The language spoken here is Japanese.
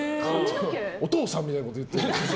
お父さんみたいなこと言ってる。